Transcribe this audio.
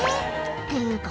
「っていうか